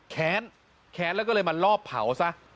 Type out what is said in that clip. แค้นแค้นแล้วก็เลยมาลอบเผาซะ